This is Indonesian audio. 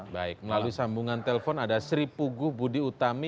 baik melalui sambungan telpon ada sri puguh budi utami